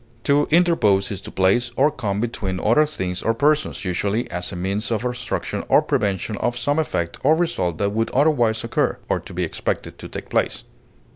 To interpose is to place or come between other things or persons, usually as a means of obstruction or prevention of some effect or result that would otherwise occur, or be expected to take place.